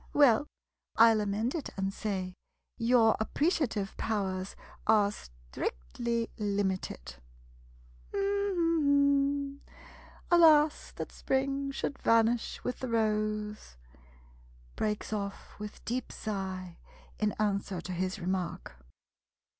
Well, I '11 amend it and say — your appreciative powers are strictly limited. [Hums softly.] "Alas! that Spring should vanish with the Rose —" [Breaks off with deep sigh, in answer to his remark.